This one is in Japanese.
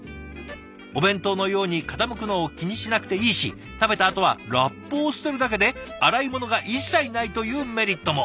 お弁当のように傾くのを気にしなくていいし食べたあとはラップを捨てるだけで洗い物が一切ないというメリットも。